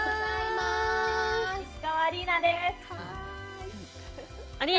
石川アリーナです。